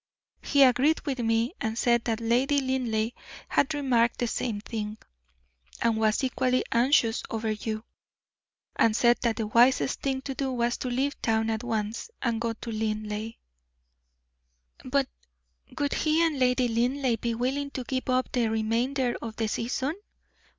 He agreed with me, and said that Lady Linleigh had remarked the same thing, and was equally anxious over you; and said that the wisest thing to do was to leave town at once, and go to Linleigh." "But would he and Lady Linleigh be willing to give up the remainder of the season?"